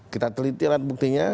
kita teliti alat buktinya